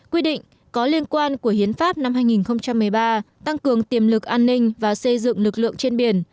quy định có liên quan của hiến pháp năm hai nghìn một mươi ba tăng cường tiềm lực an ninh và xây dựng lực lượng trên biển